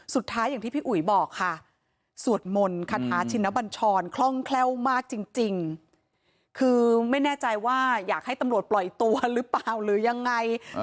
อย่างที่พี่อุ๋ยบอกค่ะสวดมนต์คาถาชินบัญชรคล่องแคล่วมากจริงคือไม่แน่ใจว่าอยากให้ตำรวจปล่อยตัวหรือเปล่าหรือยังไง